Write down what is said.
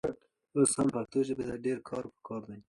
اوس هم پښتو ژبې ته ډېر کار پکار دی.